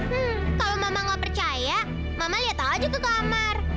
hmm kalau mama tidak percaya mama lihat saja ke kamar